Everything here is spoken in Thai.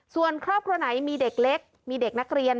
ส่วนครอบครัวไหนมีเด็กเล็กมีเด็กนักเรียน